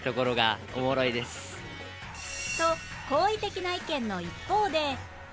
と好意的な意見の一方で